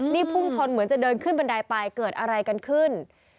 นี่พุ่งชนเหมือนจะเดินขึ้นบันไดไปเกิดอะไรกันขึ้น